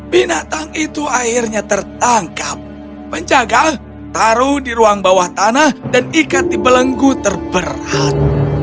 binatang itu akhirnya tertangkap penjaga taruh di ruang bawah tanah dan ikat di belenggu terberat